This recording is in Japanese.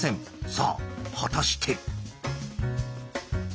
さあ果たして。